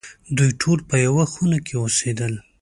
دوی ټول په یوه خونه کې اوسېدل.